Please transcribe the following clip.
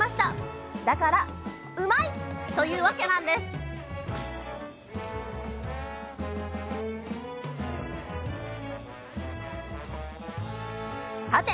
だからうまいッ！というわけなんですさて